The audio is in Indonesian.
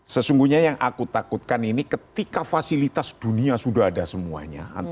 sesungguhnya yang aku takutkan ini ketika fasilitas dunia sudah ada semuanya